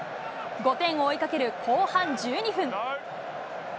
５点を追いかける後半１２分。